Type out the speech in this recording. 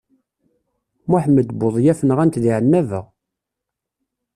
Muḥemmed Buḍyaf nɣant di Ɛennaba.